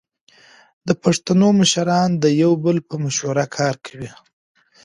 د پښتنو مشران د یو بل په مشوره کار کوي.